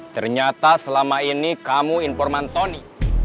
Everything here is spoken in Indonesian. ternyata selama ini kamu informan tony